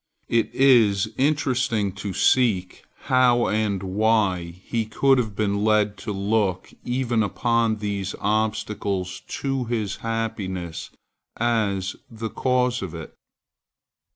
It is interesting to seek how and why he could have been led to look even upon these obstacles to his happiness as the cause of it.